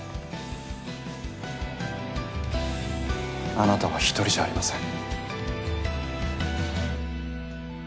あなたは１人じゃありません。